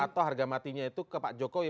atau harga matinya itu ke pak jokowi